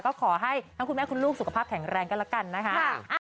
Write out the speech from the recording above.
ก็ขอให้ทั้งคุณแม่คุณลูกสุขภาพแข็งแรงกันแล้วกันนะคะ